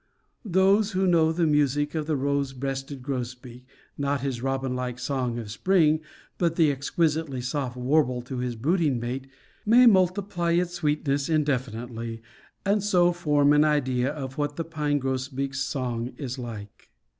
Those who know the music of the rose breasted grosbeak (not his robin like song of spring, but the exquisitely soft warble to his brooding mate) may multiply its sweetness indefinitely, and so form an idea of what the pine grosbeak's song is like.